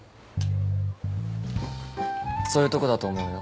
そういうとこだと思うよ。